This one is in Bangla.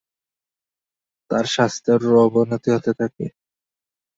তার স্বাস্থ্যের অবনতি হতে থাকে।